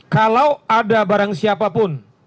kalau ada barang siapapun